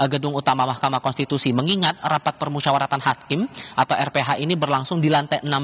gedung utama mahkamah konstitusi mengingat rapat permusyawaratan hakim atau rph ini berlangsung di lantai enam belas